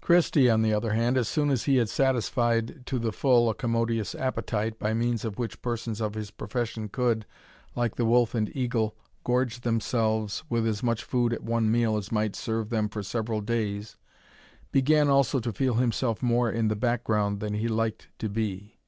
Christie, on the other hand, as soon as he had satisfied to the full a commodious appetite, by means of which persons of his profession could, like the wolf and eagle, gorge themselves with as much food at one meal as might serve them for several days, began also to feel himself more in the back ground than he liked to be.